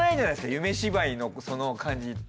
『夢芝居』のその感じって。